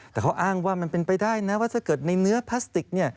แต่เขาอ้างว่ามันเป็นไปได้นะว่าถ้าเกิดในเนื้อพลาสติก